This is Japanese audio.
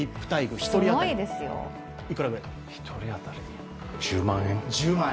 １人当たり１０万円？